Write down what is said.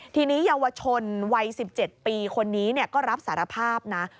ทีนี้เยาวชนวัย๑๗ปีคนนี้ก็รับสารภาพนะ